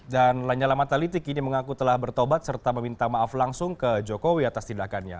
dan lanyala matalitik ini mengaku telah bertobat serta meminta maaf langsung ke jokowi atas tindakannya